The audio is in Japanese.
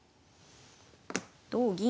同銀。